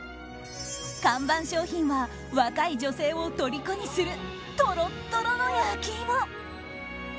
看板商品は若い女性をとりこにするとろっとろの焼き芋！